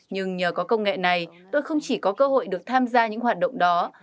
nhưng nhờ có công nghệ này tôi không chỉ có cơ hội được tham gia một cuộc sống